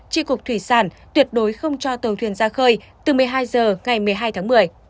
tri cục thủy sản tuyệt đối không cho tàu thuyền ra khơi từ một mươi hai h ngày một mươi hai tháng một mươi